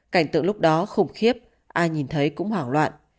cảnh tượng lúc đó khủng khiếp ai nhìn thấy cũng hoảng loạn